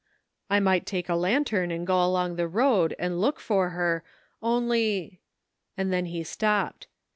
"I might take a lantern and go along the road and look for her, only" — and then he stopped.